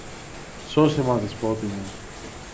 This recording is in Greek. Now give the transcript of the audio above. "Σώσε μας, Δεσπότη μου!